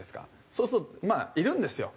そうするとまあいるんですよ。